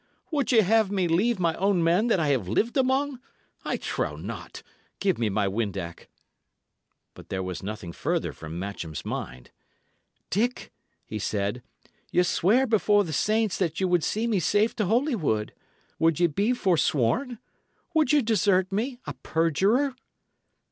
would ye have me leave my own men that I have lived among. I trow not! Give me my windac." But there was nothing further from Matcham's mind. "Dick," he said, "ye sware before the saints that ye would see me safe to Holywood. Would ye be forsworn? Would you desert me a perjurer?"